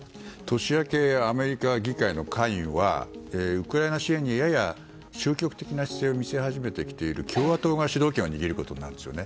年明け、アメリカ議会の下院はウクライナ支援にやや消極的な姿勢を見せ始めてきている共和党が主導権を握ることになるんですよね。